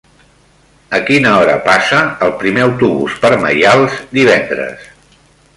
A quina hora passa el primer autobús per Maials divendres?